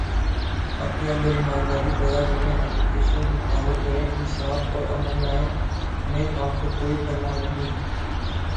اپنے اندر ایمانداری پیدا کریں، ایجوکیشن امپروو کریں، انصاف اور امن لائیں، نیک کام تو کوئی کرنا نہیں